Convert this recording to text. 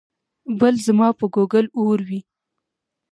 بل ځما په ګوګل اور وي